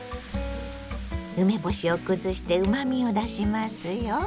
梅干しを崩してうまみを出しますよ。